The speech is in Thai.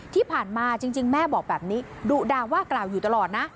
ที่ผ่านมาจริงแม่บอกแบบนี้ดุดาว่ากล่าวอยู่ตลอดนะ